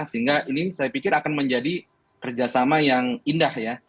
sehingga ini saya pikir akan menjadi kerjasama yang indah ya